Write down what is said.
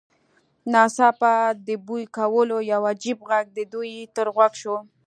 ناڅاپه د بوی کولو یو عجیب غږ د دوی تر غوږ شو